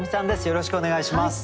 よろしくお願いします。